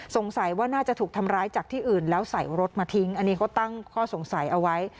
สงสัยว่าน่าจะถูกทำร้ายจากที่อื่นแล้วใส่รถมาทิ้งอันนี้เขาตั้งข้อสงสัยเอาไว้